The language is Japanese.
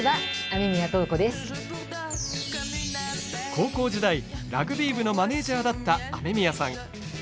高校時代、ラグビー部のマネージャーだった雨宮さん。